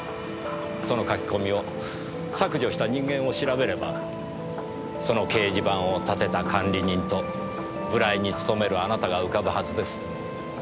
その書き込みを削除した人間を調べればその掲示板を立てた管理人とブライに勤めるあなたが浮かぶはずです。